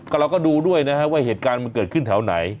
เราก็ดูด้วยนะฮะว่าเหตุการณ์มันเกิดขึ้นแถวไหน